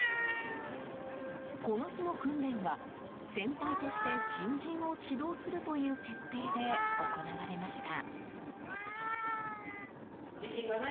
この日の訓練は先輩として新人を指導するという設定で行われました。